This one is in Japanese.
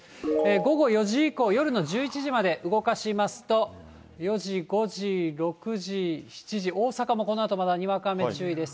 午後４時以降、夜の１１時まで動かしますと、４時、５時、６時、７時、大阪もこのあと、まだにわか雨注意です。